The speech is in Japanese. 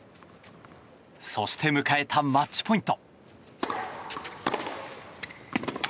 そして、迎えたマッチポイント。